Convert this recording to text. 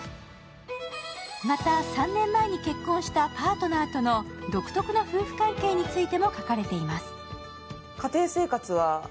また、３年前に結婚したパートナーとの独特な夫婦関係についても書かれています。